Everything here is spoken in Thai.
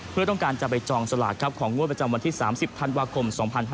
เพื่อต้องการจะไปจองสลากของงวดประจำวันที่๓๐ธันวาคม๒๕๕๙